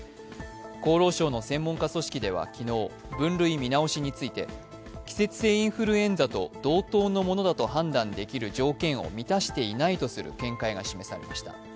厚労省の専門家組織では昨日、分類見直しについて季節性インフルエンザと同等のものだと判断できる条件を満たしていないとする見解が示されました。